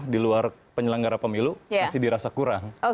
di luar penyelenggara pemilu masih dirasa kurang